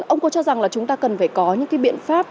ông có cho rằng là chúng ta cần phải có những cái biện pháp